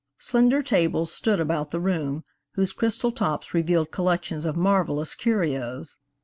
Slender tables stood about the room, whose crystal tops revealed collections of marvelous curios.